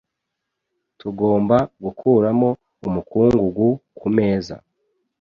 Tugomba gukuramo umukungugu kumeza .